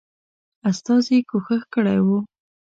استازي کوښښ کړی وو.